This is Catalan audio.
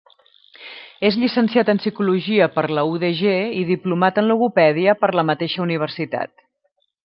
És llicenciat en Psicologia per la UdG i diplomat en Logopèdia per la mateixa Universitat.